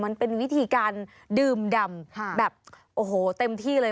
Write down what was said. มันเป็นวิธีการดื่มดำแบบโอ้โหเต็มที่เลย